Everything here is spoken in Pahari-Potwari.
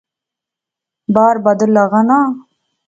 بار بدُل لغا نا